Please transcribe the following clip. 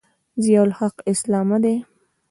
ضیأالحق اسلامه دی.